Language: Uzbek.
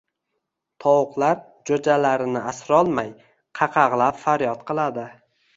Tovuqlar jo‘jalarini asrolmay, qaqag‘lab faryod qiladi